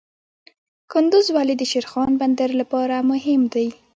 کندز ولې د شیرخان بندر لپاره مهم دی؟